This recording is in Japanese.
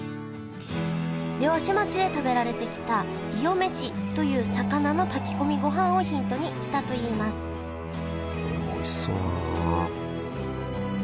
漁師町で食べられてきた魚飯という魚の炊き込みごはんをヒントにしたといいますおいしそうだな。